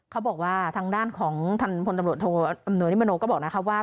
เขาบอกว่าทางด้านของท่านพลตำรวจทนนิมนโนก็บอกว่า